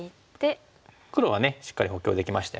黒はしっかり補強できましたよね。